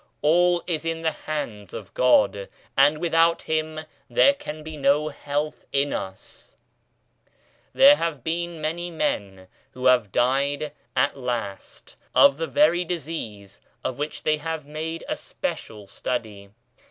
All is in the hands of God, and without Him there can be no health in us 1 There have been many men who have died at last of the very disease of which they have made a special study.